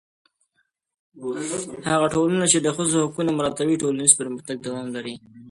هغه ټولنه چې د ښځو حقونه مراعتوي، ټولنیز پرمختګ دوام لري.